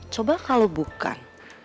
coba kalau bukan